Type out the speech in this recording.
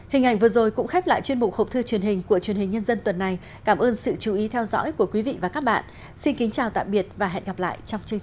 hình ảnh vừa rồi cũng khép lại chuyên mục hộp thư truyền hình của truyền hình nhân dân tuần này cảm ơn sự chú ý theo dõi của quý vị và các bạn xin kính chào tạm biệt và hẹn gặp lại trong chương trình sau